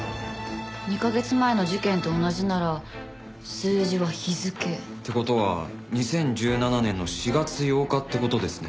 ２カ月前の事件と同じなら数字は日付。って事は２０１７年の４月８日って事ですね。